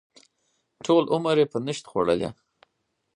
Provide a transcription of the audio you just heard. ټول عمر یې په نشت خوړلی.